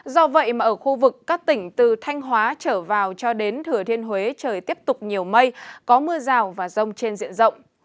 do vậy mà ở khu vực các tỉnh từ thanh hóa trở vào cho đến thừa thiên huế trời tiếp tục nhiều mây có mưa rào và rông trên diện rộng